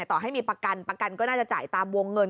ต่อให้มีประกันประกันก็น่าจะจ่ายตามวงเงิน